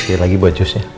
terima kasih lagi buat jusnya